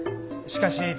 しかし